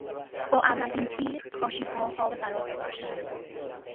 با اولین تیر، کاشیها پا به فرار گذاشتند.